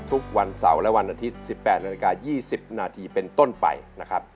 ทุกวันเสาร์และวันอาทิตย์๑๘นาฬิกา๒๐นาทีเป็นต้นไปนะครับ